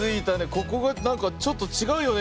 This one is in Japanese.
ここがなんかちょっとちがうよね